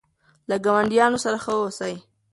له ګاونډیانو سره ښه اوسئ.